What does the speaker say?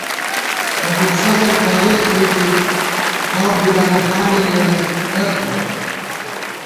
ابُوالفضل تارېخ لِکی ، باب بُڈانی حالہ لېڑئی ڈگ بُوَہ